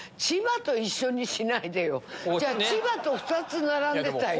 千葉と２つ並んでたよ。